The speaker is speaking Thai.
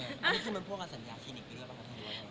นี่คือมันพวกเราสัญญาคลินิกพี่หรือเปล่า